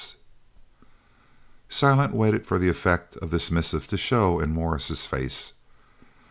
S.'" Silent waited for the effect of this missive to show in Morris's face.